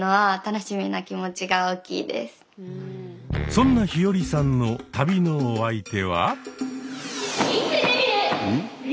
そんな陽葵さんの旅のお相手は。